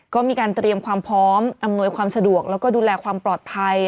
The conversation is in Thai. ก็มีการเตรียมความพร้อมอำนวยความสะดวกแล้วก็ดูแลความปลอดภัย